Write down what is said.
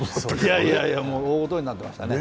いやいやいや、もう大ごとになってましたね。